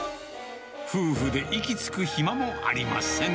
夫婦で息つく暇もありません。